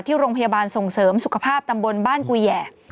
ที่โรงพยาบาลส่งเสริมสุขภาพตำบลบ้านกูแหย่